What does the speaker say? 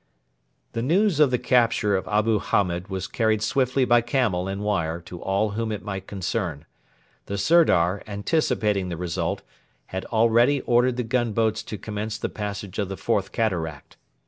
The news of the capture of Abu Hamed was carried swiftly by camel and wire to all whom it might concern. The Sirdar, anticipating the result, had already ordered the gunboats to commence the passage of the Fourth Cataract.